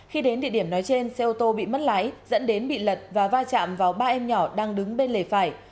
khi đến địa điểm nói trên xe ô tô bị mất lái dẫn đến bị lật và va chạm vào ba em nhỏ đang đứng bên lề phải